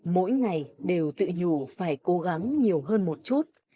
mỗi ngày đều tự nhủ phải cố gắng nhiều hơn một chút